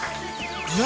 何？